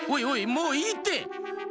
もういいって。